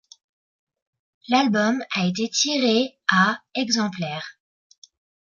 L'album a été tiré à exemplaires.